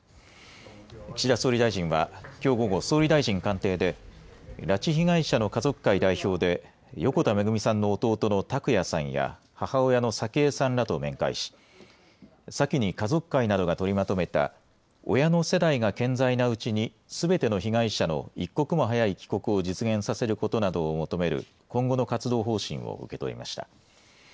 岸田総理大臣は、きょう午後、総理大臣官邸で、拉致被害者の家族会代表で、横田めぐみさんの弟の拓也さんや、母親の早紀江さんらと面会し、先に家族会などが取りまとめた、親の世代が健在なうちに、すべての被害者の一刻も早い帰国を実現させることなどを求める今後の活動方針を受け取りました。